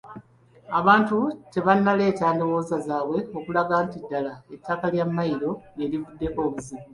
Abantu tebannaleeta ndowooza zaabwe kulaga nti ddala ettaka lya Mmayiro lye livuddeko obuzibu.